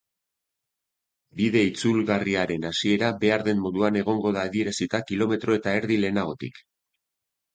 Bide itzulgarriaren hasiera behar den moduan egongo da adierazita kilometro eta erdi lehenagotik.